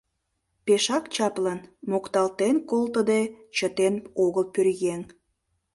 — Пешак чаплын! — мокталтен колтыде чытен огыл пӧръеҥ.